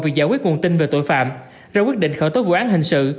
việc giải quyết nguồn tin về tội phạm ra quyết định khởi tố vụ án hình sự